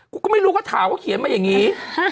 กูก็ไม่รู้ก่อนขอถามเค้าเขียนมาแบบนี้